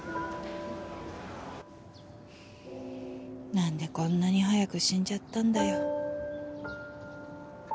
なんでこんなに早く死んじゃったんだよ。